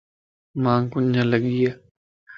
مانکَ اُنڃ لڳي ائي